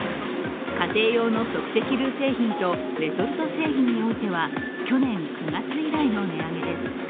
家庭用の即席ルー製品とレトルト製品においては去年９月以来の値上げです。